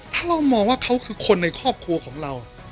ถ้าเรามองว่าเขาคือคนในครอบครัวของเรา